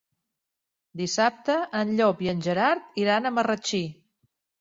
Dissabte en Llop i en Gerard iran a Marratxí.